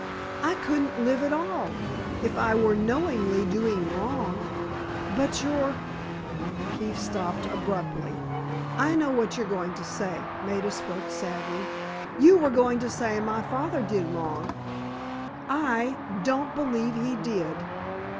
I couldn't live at all, if I were knowingly doing wrong." "But your——" Keefe stopped abruptly. "I know what you were going to say," Maida spoke sadly; "you were going to say my father did wrong. I don't believe he did."